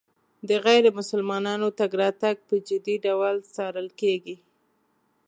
د غیر مسلمانانو تګ راتګ په جدي ډول څارل کېږي.